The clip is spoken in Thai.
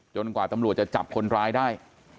กว่าตำรวจจะจับคนร้ายได้